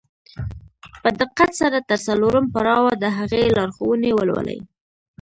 په دقت سره تر څلورم پړاوه د هغې لارښوونې ولولئ.